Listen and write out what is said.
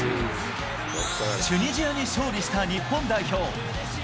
チュニジアに勝利した日本代表。